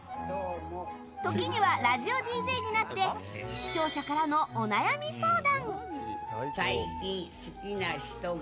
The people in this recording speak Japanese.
時にはラジオＤＪになって視聴者からお悩み相談。